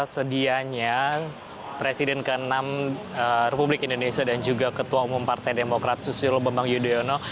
sedianya presiden ke enam republik indonesia dan juga ketua umum partai demokrat susilo bambang yudhoyono